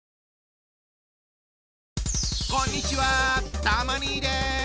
こんにちはたま兄です。